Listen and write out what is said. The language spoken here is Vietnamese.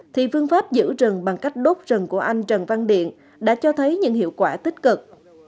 thì phương pháp giữ rừng bằng cách đốt rừng của anh trần văn điện đã cho thấy những hiệu quả tích cực